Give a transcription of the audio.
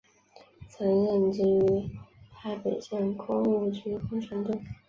曾任职于台北县工务局工程队。